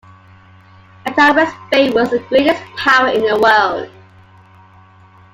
a time when Spain was the greatest power in the world